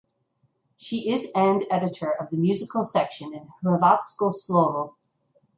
She is and editor of the musical section in "Hrvatsko slovo".